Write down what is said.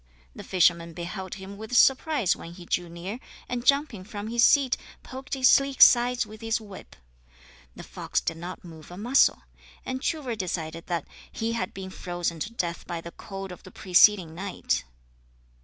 The fisherman beheld him with surprise when he drew near, and jumping from his seat poked his sleek sides with his whip. The fox did not move a muscle, and Truvor decided that he had been frozen to death by the cold of the preceding night.